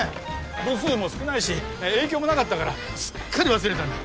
部数も少ないし影響もなかったからすっかり忘れてたんだ